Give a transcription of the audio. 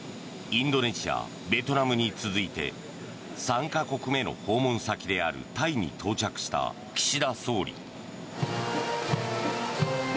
インドネシア、ベトナムに続いて３か国目の訪問先であるタイに到着した岸田総理。